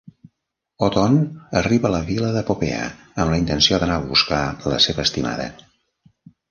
Ottone arriba a la vila de Popea amb la intenció d'anar a buscar la seva estimada.